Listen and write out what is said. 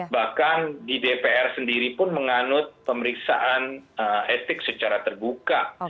bahkan di dpr sendiri pun menganut pemeriksaan etik secara terbuka